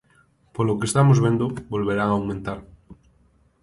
"Polo que estamos vendo, volverán aumentar".